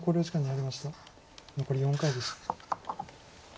残り４回です。